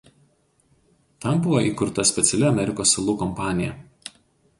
Tam buvo įkurta speciali Amerikos salų kompanija.